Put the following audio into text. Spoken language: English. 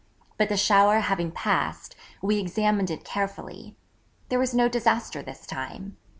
But the shower having passed, we examined it carefully. There was no disaster this time.